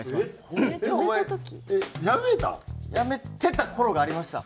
やめてた頃がありました。